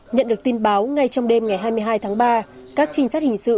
nhận được tin báo ngay trong đêm ngày hai mươi hai tháng ba các trinh sát hình sự